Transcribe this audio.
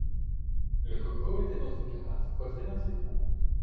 Le coco était dans une carafe coiffée d’un citron.